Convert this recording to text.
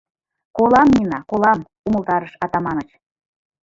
— Колам, Нина, колам, — умылтарыш Атаманыч.